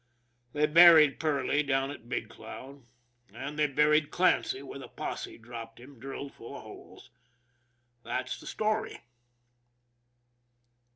They buried Perley down at Big Cloud; and they buried Clancy where the posse dropped him, drilled full of holes. That's the story.